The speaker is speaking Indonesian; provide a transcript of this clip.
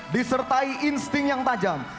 disertai insting yang tajam